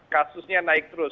kasusnya naik terus